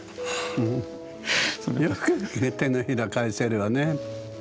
よく手のひら返せるわね。